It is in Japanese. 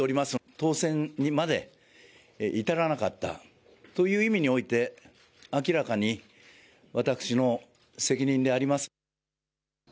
当選まで至らなかったという意味において明らかに私の責任であります。